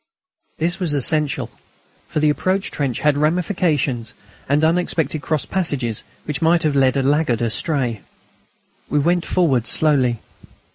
This was essential, for the approach trench had ramifications and unexpected cross passages which might have led a laggard astray. We went forward slowly.